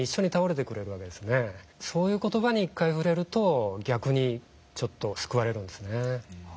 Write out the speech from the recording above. そういう言葉に一回触れると逆にちょっと救われるんですね。